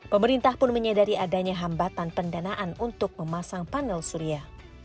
pemerintah pun menyadari adanya hambatan pendanaan untuk memasang panel surya